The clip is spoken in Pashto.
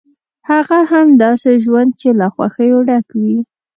هغه هم داسې ژوند چې له خوښیو ډک وي.